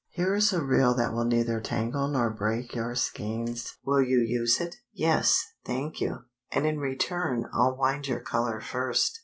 "Here is a reel that will neither tangle nor break your skeins, will you use it?" "Yes, thank you, and in return I'll wind your color first."